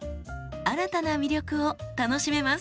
新たな魅力を楽しめます。